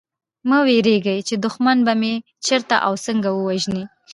مه وېرېږی چي دښمن به مي چېرته او څنګه ووژني